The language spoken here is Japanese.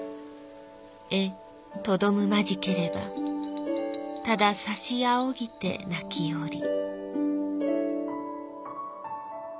えとどむまじければたださしあふぎて泣きをり」。